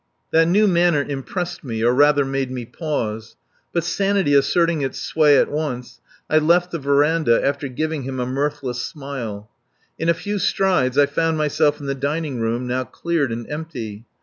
That new manner impressed me or rather made me pause. But sanity asserting its sway at once I left the verandah after giving him a mirthless smile. In a few strides I found myself in the dining room, now cleared and empty.